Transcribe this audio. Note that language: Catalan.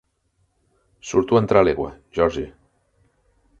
Surto a entrar l'egua, Georgie".